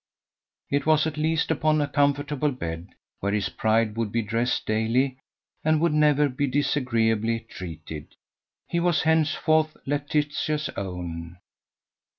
It was at least upon a comfortable bed, where his pride would be dressed daily and would never be disagreeably treated. He was henceforth Laetitia's own.